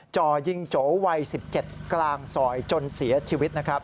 จ่อยิงโจวัย๑๗กลางซอยจนเสียชีวิตนะครับ